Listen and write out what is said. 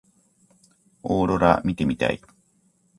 オーロラ見てみたい。